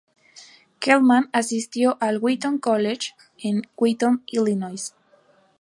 Kellman asistió al Wheaton College en Wheaton, Illinois.